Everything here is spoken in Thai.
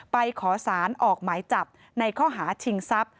ขอสารออกหมายจับในข้อหาชิงทรัพย์